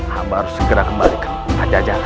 hamba harus segera kembalikan pada jalan